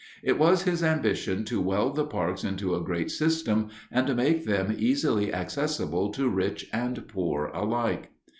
It was his ambition to weld the parks into a great system and to make them easily accessible to rich and poor alike.